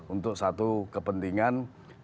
untuk satu kepentingan